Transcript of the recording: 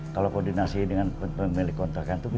kalau koordinasi dengan pemilik kontrakan itu